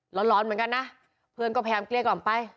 ร้อนเหมือนกันนะเพื่อนก็พยายามเกลี้ยกล่อมไป